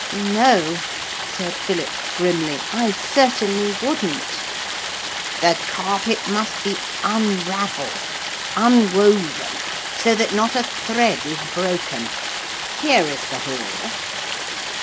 'No,' said Philip grimly, 'I certainly shouldn't.' 'The carpet must be unravelled, unwoven, so that not a thread is broken. Here is the hall.'